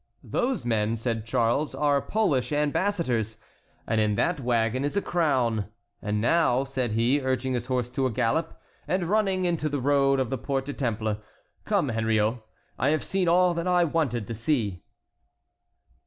"Those men," said Charles, "are Polish ambassadors, and in that wagon is a crown. And now," said he, urging his horse to a gallop, and turning into the road of the Porte du Temple, "come, Henriot, I have seen all that I wanted to see."